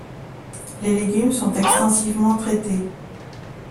Les légumes sont extensivement traités.